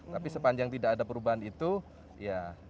tapi sepanjang tidak ada perubahan itu ya